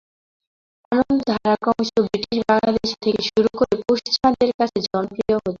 আনন্দধারা ক্রমশ ব্রিটিশ বাংলাদেশি থেকে শুরু করে পশ্চিমাদের কাছে জনপ্রিয় হচ্ছে।